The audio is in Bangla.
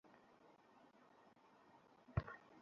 তার সাথে তার স্ত্রী উম্মে হাকীমও গেল।